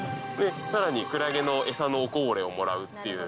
さらにクラゲの餌のおこぼれをもらうっていう。